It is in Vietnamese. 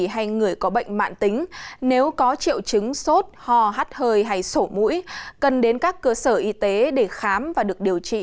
hay người có bệnh mạng tính nếu có triệu chứng sốt hò hát hơi hay sổ mũi cần đến các cơ sở y tế để khám và được điều trị